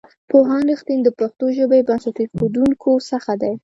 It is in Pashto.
پوهاند رښتین د پښتو ژبې بنسټ ایښودونکو څخه دی.